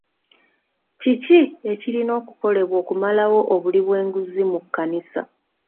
Kiki ekirina okukolebwa okumalawo obuli bw'enguzi mu kkanisa?